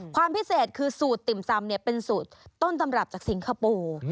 ความพิเศษคือสูตรติ่มซำเป็นสูตรต้นตำรับจากสิงคโปร์